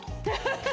ハハハ！